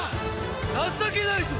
情けないぞ！